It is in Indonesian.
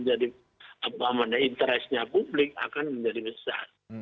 apa namanya interest nya publik akan menjadi besar